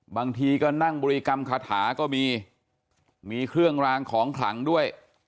บางทีก็นั่งบริกรรมคาถาก็มีมีเครื่องรางของขลังด้วย